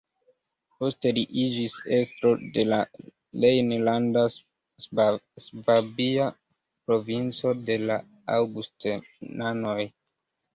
Poste li iĝis estro de la rejnlanda-svabia provinco de la aŭgustenanoj.